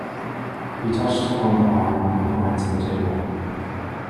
He touched him on the arm and pointed to the table.